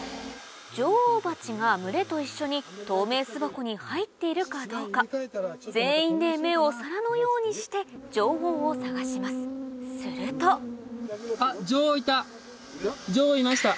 女王バチが群れと一緒に透明巣箱に入っているかどうか全員で目を皿のようにして女王を探しますすると女王いました！